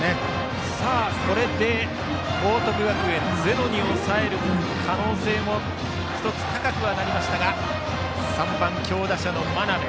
これで報徳学園がゼロに抑える可能性も１つ、高くはなりましたが３番、強打者の眞邉。